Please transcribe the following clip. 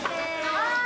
はい！